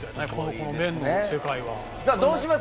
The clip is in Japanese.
この麺の世界は。